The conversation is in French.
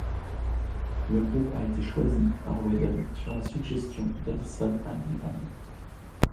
Le groupe a été choisi par Whedon sur la suggestion d'Alyson Hannigan.